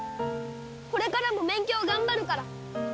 これからも勉強頑張るから！